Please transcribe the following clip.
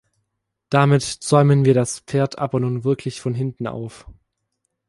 Damit zäumen wir das Pferd aber nun wirklich von hinten auf.